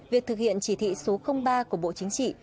việc thực hiện chỉ thị số ba của bộ chính trị